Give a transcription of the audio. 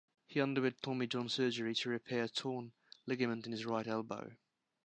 He underwent Tommy John surgery to repair a torn ligament in his right elbow.